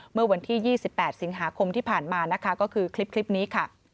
เมื่อวันที่๒๘สิงหาคมที่ผ่านมานะคะก็คือคลิปนี้ค่ะ